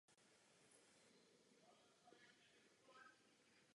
Své povídky vydával časopisecky i knižně v povídkových sbírkách.